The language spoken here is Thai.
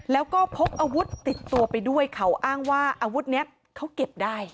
แล้วก็พกอาวุธติดตัวไปด้วยเขาอ้างว่าอาวุธนี้เขาเก็บได้